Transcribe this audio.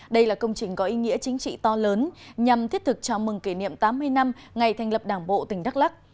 đây là công trình có ý nghĩa chính trị to lớn nhằm thiết thực chào mừng kỷ niệm tám mươi năm ngày thành lập đảng bộ tỉnh đắk lắc